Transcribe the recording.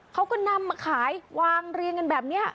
เขาก็นำมาขายวางเรียงกันแบบนี้